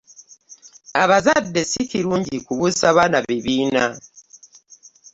Abazadde si kirungi kubuusa baana bibiina.